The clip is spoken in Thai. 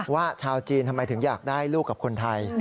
ชาวจีนทำไมถึงอยากได้ลูกกับคนไทย